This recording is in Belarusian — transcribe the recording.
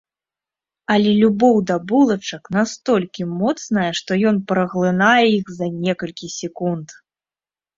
Але любоў да булачак настолькі моцная, што ён праглынае іх за некалькі секунд.